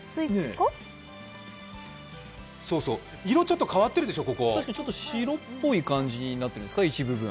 色ちょっと変わってるでしょ、ここ確かにちょっと白っぽい感じになっているんですか、一部分。